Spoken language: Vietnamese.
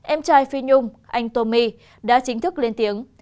em trai phi nhung anh tomi đã chính thức lên tiếng